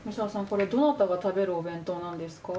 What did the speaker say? これどなたが食べるお弁当なんですか？